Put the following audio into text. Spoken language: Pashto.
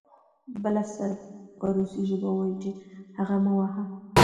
بل افسر په روسي ژبه وویل چې هغه مه وهه